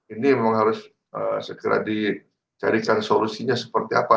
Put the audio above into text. ini memang harus segera dicarikan solusinya seperti apa